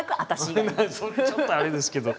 それちょっとあれですけど。